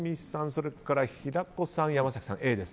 それから平子さん山崎さんはＡ。